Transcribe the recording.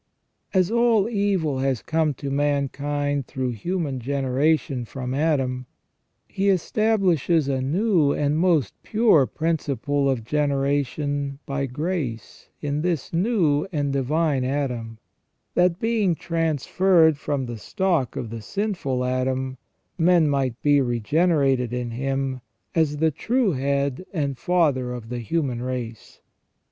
As all evil has come to mankind through human generation from Adam, He establishes a new and most pure prin ciple of generation by grace in this new and Divine Adam ; that being transferred from the stock of the sinful Adam, men might be regenerated in Him, as the true Head and Father of the human race.